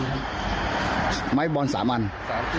๓อันครับไม้เบสบอลล์๓อัน